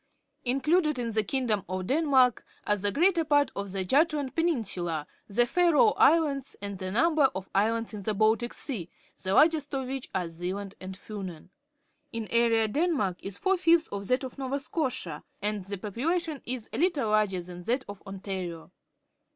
— Included in the kingdom of Denmark are tlie greater part of the Jutland peninsuhi, the Faroe Islands, and a nuinber of islands in the Bal^c_^eaj the largest of which are Zealand and Fiinen. In area Denmark is four fifths of that of Nova Scotia, and the population is a httle larger than that of Ontario.